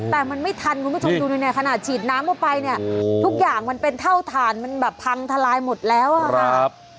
แต่มันไม่ทันคุณผู้ชมดูเนี่ยขนาดฉีดน้ำเข้าไปเนี่ยทุกอย่างมันเป็นเท่าฐานมันแบบพังทลายหมดแล้วอ่ะครับ